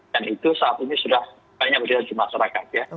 dan itu saat ini sudah banyak berdiri di masyarakat ya